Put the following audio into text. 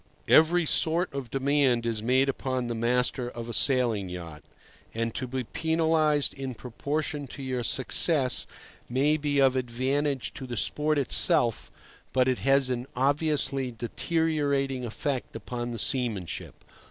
Every sort of demand is made upon the master of a sailing yacht, and to be penalized in proportion to your success may be of advantage to the sport itself, but it has an obviously deteriorating effect upon the seamanship.